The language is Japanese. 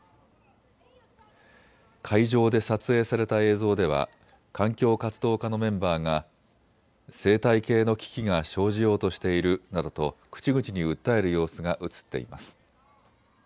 会場で撮影された映像では環境活動家のメンバーが生態系の危機が生じようとしているなどと口々に訴える様子が写っています。